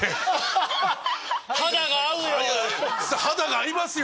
肌が合いますよ！